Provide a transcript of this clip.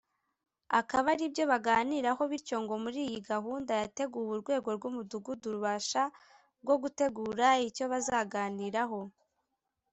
akaba ari byo baganiraho bityo ngo muri iyi gahunda yateguwe urwego rw’umudugudu rubasha bwo gutegura icyo bazaganiraho